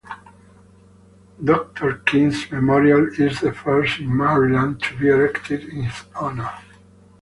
Doctor King's memorial is the first in Maryland to be erected in his honor.